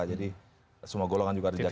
jadi semua golongan juga ada di jakarta